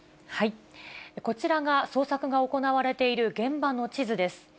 こちらが捜索が行われている現場の地図です。